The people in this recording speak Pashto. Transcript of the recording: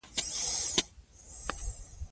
ګلدوزی وکړئ.